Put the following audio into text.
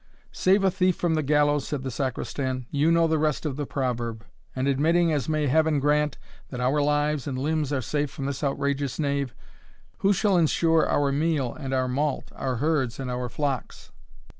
"Save a thief from the gallows," said the Sacristan "you know the rest of the proverb; and admitting, as may Heaven grant, that our lives and limbs are safe from this outrageous knave, who shall insure our meal and our malt, our herds and our flocks?"